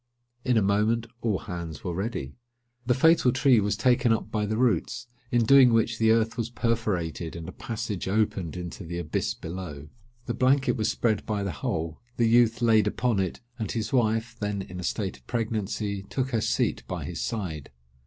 In a moment all hands were ready. The fatal tree was taken up by the roots; in doing which, the earth was perforated, and a passage opened into the abyss below. The blanket was spread by the hole, the youth laid upon it, and his wife, then in a state of pregnancy, took her seat by his side.